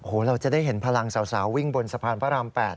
เราจะได้เห็นพลังสาววิ่งบนสะพานพระราม๘